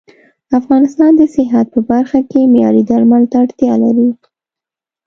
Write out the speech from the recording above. افغانستان د صحت په برخه کې معياري درملو ته اړتيا لري